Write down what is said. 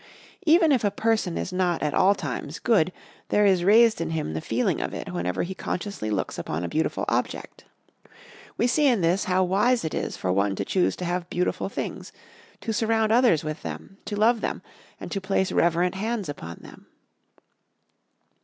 Even if a person is not at all times good, there is raised in him the feeling of it whenever he consciously looks upon a beautiful object. We see in this how wise it is for one to choose to have beautiful things, to surround others with them, to love them, and to place reverent hands upon them.